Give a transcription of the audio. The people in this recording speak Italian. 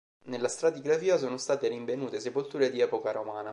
Nella stratigrafia sono state rinvenute sepolture di epoca romana.